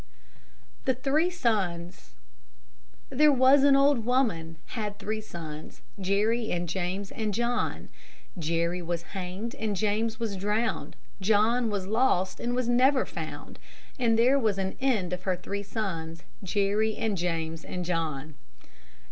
THE THREE SONS There was an old woman had three sons, Jerry and James and John, Jerry was hanged, James was drowned, John was lost and never was found; And there was an end of her three sons, Jerry and James and John!